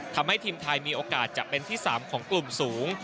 ทำให้ทีมไทยมีโอกาสจะเป็นที่๓ของกลุ่มสูง